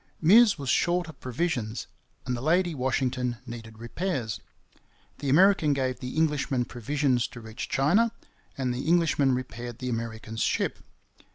Meares was short of provisions, and the Lady Washington needed repairs. The American gave the Englishman provisions to reach China, and the Englishman repaired the American's ship.